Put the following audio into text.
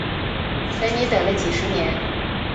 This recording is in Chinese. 等你等了几十年